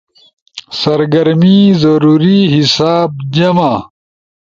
سرگرمی- ضروری- حساب- جمع=